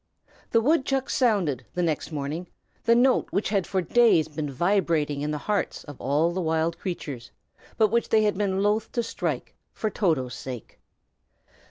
The woodchuck sounded, the next morning, the note which had for days been vibrating in the hearts of all the wild creatures, but which they had been loth to strike, for Toto's sake.